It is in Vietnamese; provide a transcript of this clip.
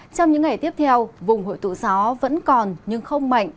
trong những ngày tiếp theo vùng hội tụ gió vẫn còn nhưng không mạnh